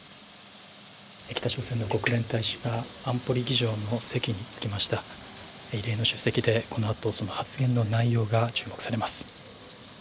北朝鮮の国連大使が安保理議場の席に着きました異例の出席で、このあとその発言の内容が注目されます。